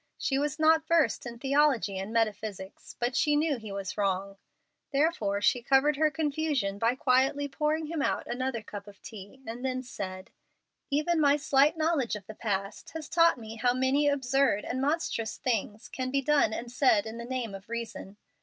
She was not versed in theology and metaphysics, but she knew he was wrong. Therefore she covered her confusion by quietly pouring him out another cup of tea, and then said, "Even my slight knowledge of the past has taught me how many absurd and monstrous things can be done and said in the name of reason.